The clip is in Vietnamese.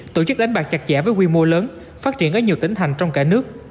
tổ chức đánh bạc chặt chẽ với quy mô lớn phát triển ở nhiều tỉnh thành trong cả nước